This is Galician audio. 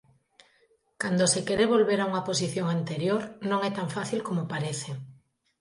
Cando se quere volver a unha posición anterior non é tan fácil como parece.